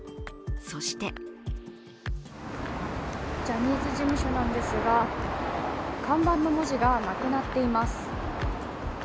そしてジャニーズ事務所なんですが、看板の文字がなくなっています。